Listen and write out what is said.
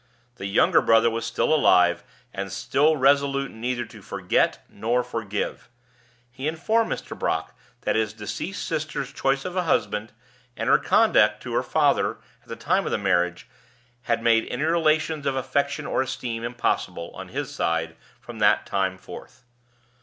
The younger brother was still alive, and still resolute neither to forget nor forgive. He informed Mr. Brock that his deceased sister's choice of a husband, and her conduct to her father at the time of her marriage, had made any relations of affection or esteem impossible, on his side, from that time forth.